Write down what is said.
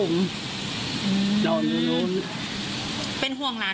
ไม่ห่วงนะ